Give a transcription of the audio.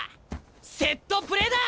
セットプレーだ！